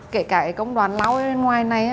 kể cả công đoàn lau ở bên ngoài này